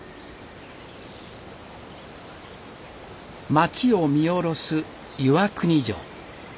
町を見下ろす岩国城。